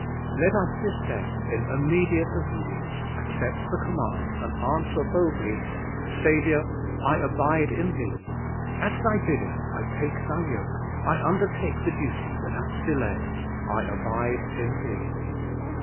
Let us this day in immediate obedience accept the command, and answer boldly, \Saviour, I abide in Thee. At Thy bidding I take Thy yoke; I undertake the duty without delay; I abide in Thee.'